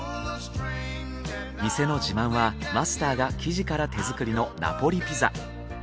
店の自慢はマスターが生地から手作りのナポリピザ。